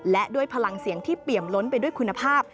และด้วยพลังเสียงที่เปี่ยมล้นไปด้วยคุณภาพ